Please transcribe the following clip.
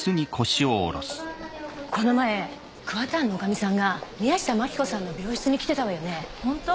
この前桑田庵の女将さんが宮下真紀子さんの病室に来てたわよねほんと？